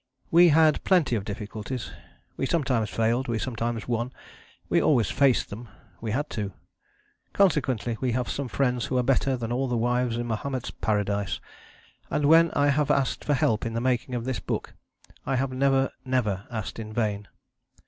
We had plenty of difficulties; we sometimes failed, we sometimes won; we always faced them we had to. Consequently we have some friends who are better than all the wives in Mahomet's paradise, and when I have asked for help in the making of this book I have never never asked in vain.